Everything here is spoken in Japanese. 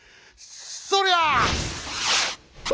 そりゃ」。